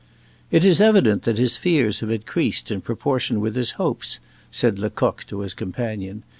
"It is evident that his fears have increased in proportion with his hopes," said Lecoq to his companion.